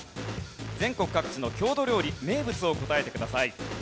全国各地の郷土料理・名物を答えてください。